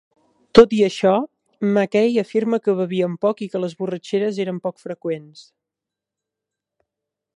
Tot i això, Mackay afirma que bevien poc i que les borratxeres eren poc freqüents.